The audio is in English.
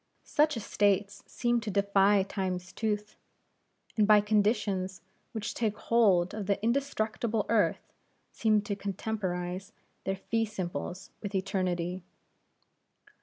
Such estates seem to defy Time's tooth, and by conditions which take hold of the indestructible earth seem to contemporize their fee simples with eternity.